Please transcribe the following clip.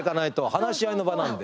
話し合いの場なんで。